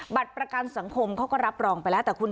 บัตรประกันสังคมเขาก็รับรองไปแล้ว